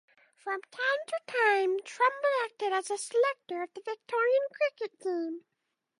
From time to time, Trumble acted as a selector of the Victorian cricket team.